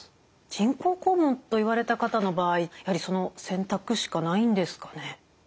人工肛門と言われた方の場合やはりその選択しかないんですかね？